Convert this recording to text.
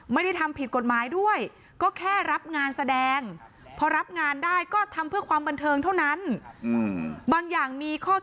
ไม่ได้ทำผิดกฎหมายด้วยก็แค่รับงานแสดง